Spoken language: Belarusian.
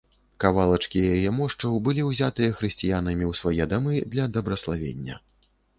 Кавалачкі яе мошчаў былі ўзятыя хрысціянамі ў свае дамы для дабраславення.